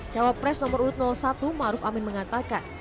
cawa pres nomor satu maruf amin mengatakan